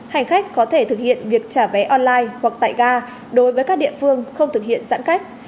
hành khách có thể thực hiện việc trả vé online hoặc tại ga đối với các địa phương không thực hiện giãn cách